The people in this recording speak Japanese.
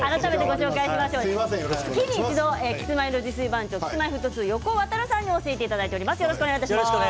月に一度キスマイの自炊番長Ｋｉｓ−Ｍｙ−Ｆｔ２の横尾渉さんに教えていただきます。